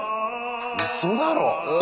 うそだろう。